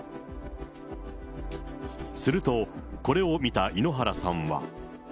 すると、これを見た井ノ原さんは。